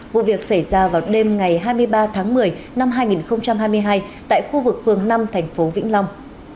vụ việc xảy ra vào đêm ngày hai mươi ba tháng một mươi năm hai nghìn hai mươi hai tại khu vực phường năm thành phố vĩnh long